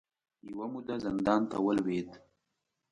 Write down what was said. یوه موده زندان ته ولوېد